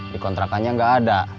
dikontrakannya gak ada